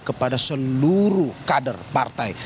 kepada seluruh kader partai